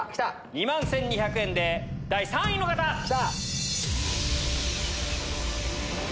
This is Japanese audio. ２万１２００円で第３位の方！よ‼